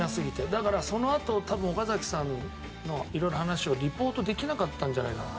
だからそのあと多分岡崎さんの色んな話をリポートできなかったんじゃないかなと。